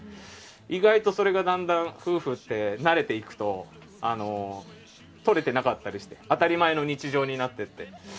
意外とそれがだんだん夫婦って慣れていくととれてなかったりして当たり前の日常になっていって。